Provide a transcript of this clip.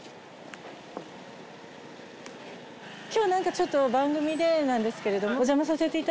今日ちょっと番組でなんですけど。